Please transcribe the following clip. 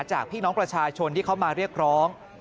จากพี่น้องประชาชนที่เขามาเรียกร้อง